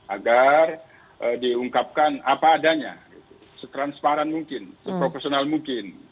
agar diungkapkan apa adanya setransparan mungkin seprofesional mungkin